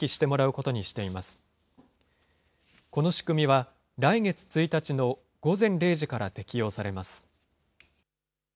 この仕組みは、来月１日の午前０時から適用されます。